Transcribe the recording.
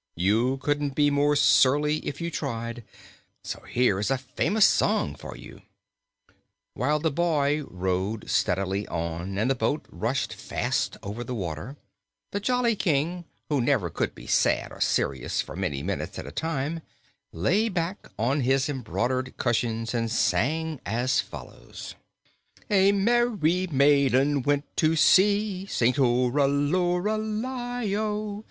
You couldn't be more surly if you tried. So here is a famous song for you." While the boy rowed steadily on and the boat rushed fast over the water, the jolly King, who never could be sad or serious for many minutes at a time, lay back on his embroidered cushions and sang as follows: "A merry maiden went to sea Sing too ral oo ral i do!